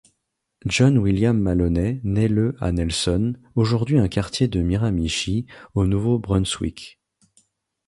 John William Maloney naît le à Nelson, aujourd'hui un quartier de Miramichi, au Nouveau-Brunswick.